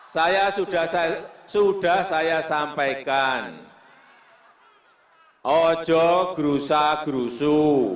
saya sudah saya sampaikan ojok gerusa gerusu